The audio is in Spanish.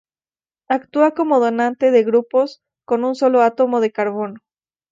Actúa como donante de grupos con un sólo átomo de carbono.